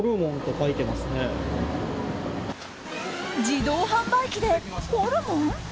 自動販売機でホルモン？